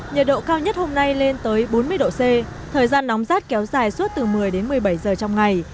nhiệt độ cao nhất hôm nay lên tới bốn mươi độ c thời gian nóng rát kéo dài suốt từ một mươi đến một mươi bảy giờ trong ngày